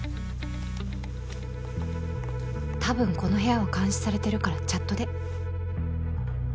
たぶんこの部屋は監視されてるからチャットで